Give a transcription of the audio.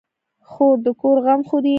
خور د کور غم خوري.